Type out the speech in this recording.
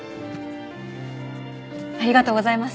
ありがとうございます。